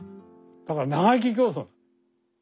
だから長生き競争。